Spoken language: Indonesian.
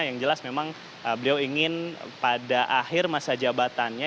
yang jelas memang beliau ingin pada akhir masa jabatannya